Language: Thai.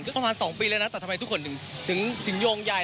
ก็ประมาณ๒ปีแล้วนะแต่ทำไมทุกคนถึงโยงใย